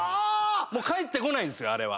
もう帰ってこないんすよあれは。